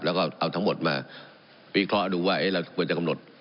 แล้วก็เอาทั้งหมดมาวิเคราะห์ดูว่าเราควรจะกำหนด